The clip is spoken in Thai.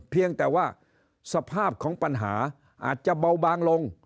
เพียงแต่ว่าสภาพของปัญหาอาจจะเบาบางลง